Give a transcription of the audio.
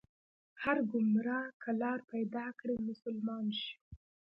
هر ګمراه که لار پيدا کړي، مسلمان شي